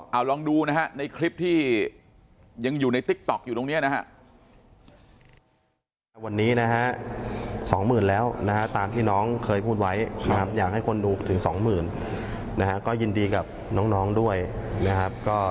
เอาลองดูนะฮะในคลิปที่ยังอยู่ในติ๊กต๊อกอยู่ตรงนี้นะฮะ